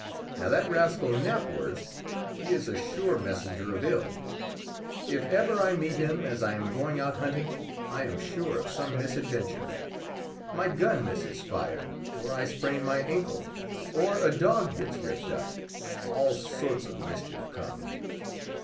Now that rascal Knapwurst, he is a sure messenger of ill. If ever I meet him as I am going out hunting I am sure of some misadventure; my gun misses fire, or I sprain my ankle, or a dog gets ripped up! all sorts of mischief come.